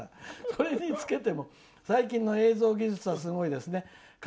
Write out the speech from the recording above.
それにつけても最近の映像技術はすごいですね。